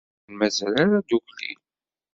Ur ten-mazal ara ddukkli.